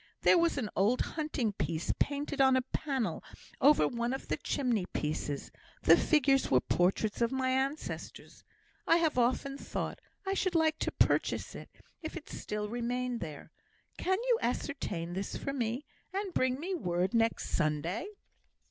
There was an old hunting piece painted on a panel over one of the chimney pieces; the figures were portraits of my ancestors. I have often thought I should like to purchase it, if it still remained there. Can you ascertain this for me, and bring me word next Sunday?"